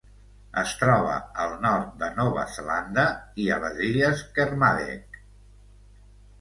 Es troba al nord de Nova Zelanda i a les Illes Kermadec.